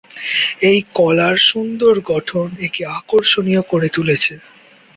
এই কলার সুন্দর গঠন একে আকর্ষণীয় করে তুলেছে।